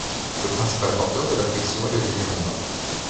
Le principal porteur de la flexion est le déterminant.